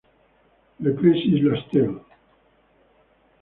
Le Plessis-Lastelle